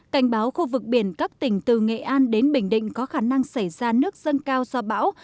cảnh báo khu vực biển các tỉnh từ nghệ an đến bình định có khả năng xảy ra nước dâng cao do bão